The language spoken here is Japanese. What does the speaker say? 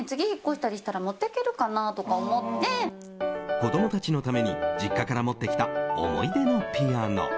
子供たちのために実家から持ってきた思い出のピアノ。